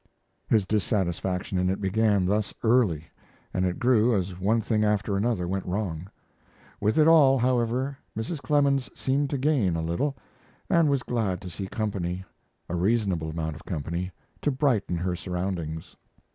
His dissatisfaction in it began thus early, and it grew as one thing after another went wrong. With it all, however, Mrs. Clemens seemed to gain a little, and was glad to see company a reasonable amount of company to brighten her surroundings.